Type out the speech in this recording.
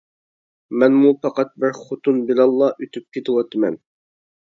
مەنمۇ پەقەت بىر خوتۇن بىلەنلا ئۆتۈپ كېتىۋاتىمەن.